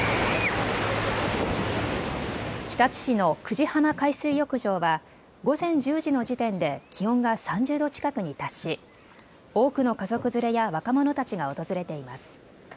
日立市の久慈浜海水浴場は午前１０時の時点で気温が３０度近くに達し多くの家族連れや若者たちが訪れています。